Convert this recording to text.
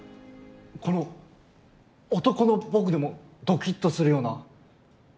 この男の僕でもドキっとするような色気！